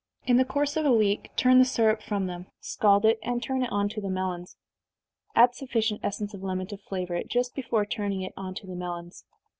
In the course of a week turn the syrup from them, scald it, and turn it on to the melons. Add sufficient essence of lemon to flavor it, just before turning it on to the melons.